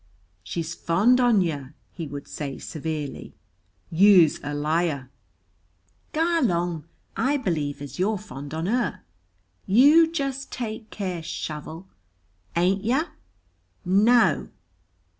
"She's fond on yer!" he would say severely. "You's a liar." "Gar long! I believe as you're fond on her!" "You jest take care, Shovel." "Ain't yer?" "Na o!"